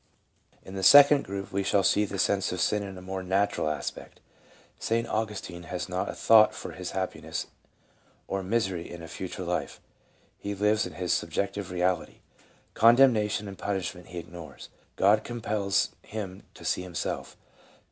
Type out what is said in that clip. In the second group we shall see the sense of sin in a more natural aspect :— St. Augustine has not a thought for his happiness or misery in a future life. He lives in his sub jective reality ; condemnation and punishment he ignores. God compels him to see himself.